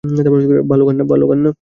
ভালো গান না?